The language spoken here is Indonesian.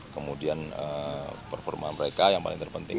kemudian performa mereka yang paling terpenting